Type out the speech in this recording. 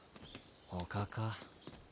おかか。